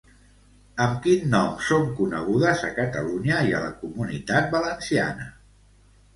Amb quin nom són conegudes a Catalunya i a la Comunitat Valenciana?